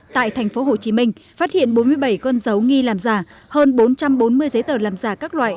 tại thành phố hồ chí minh phát hiện bốn mươi bảy con dấu nghi làm giả hơn bốn trăm bốn mươi giấy tờ làm giả các loại